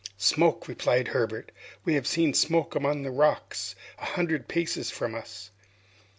"Smoke," replied Herbert. "We have seen smoke among the rocks, a hundred paces from us."